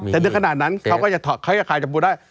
แต่ด้วยขนาดนั้นเขาก็จะถอดค่อยกระคายจับบุร้า